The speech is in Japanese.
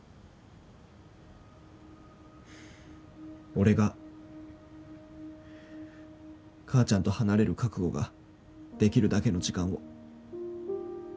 俺が母ちゃんと離れる覚悟ができるだけの時間を。